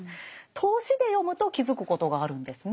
通しで読むと気付くことがあるんですね。